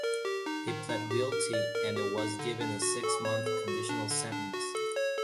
He pled guilty and was given a six-month conditional sentence.